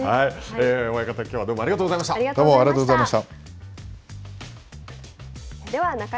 親方、きょうはどうもありがとうどうもありがとうございました。